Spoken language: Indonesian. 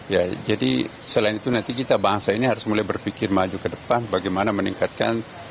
ya jadi selain itu nanti kita bangsa ini harus mulai berpikir maju ke depan bagaimana meningkatkan